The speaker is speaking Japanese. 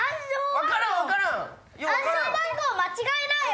暗証番号間違えなよ。